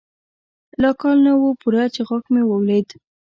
لا کال نه و پوره چې غاښ مې ولوېد.